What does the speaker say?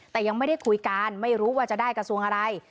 แต่ยังไม่ได้คุยกันไม่รู้ว่าจะได้กระทรวงอะไร